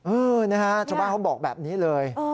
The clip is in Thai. เออนะฮะชาวบ้านเขาบอกแบบนี้เลย